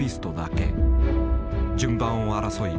順番を争い